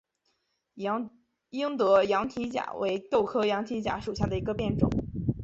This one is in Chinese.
英德羊蹄甲为豆科羊蹄甲属下的一个变种。